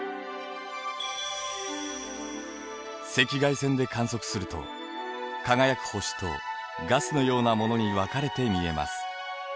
赤外線で観測すると輝く星とガスのようなものに分かれて見えます。